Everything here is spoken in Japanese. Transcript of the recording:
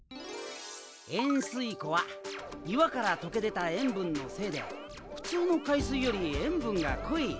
塩水湖は岩から溶け出た塩分のせいで普通の海水より塩分が濃い。